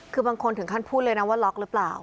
คือบางคนถึงขั้นพูดเลยนะว่าล็อกหรือเปล่า